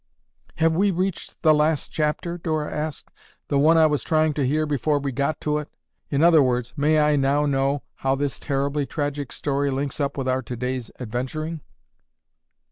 "Have we reached that last chapter?" Dora asked. "The one I was trying to hear before we got to it? In other words, may I now know how this terribly tragic story links up with our today's adventuring?"